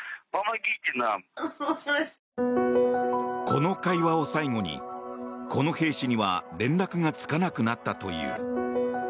この会話を最後にこの兵士には連絡がつかなくなったという。